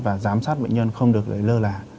và giám sát bệnh nhân không được lơ là